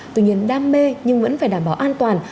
tuy nhiên đam mê nhưng vẫn phải đảm bảo an toàn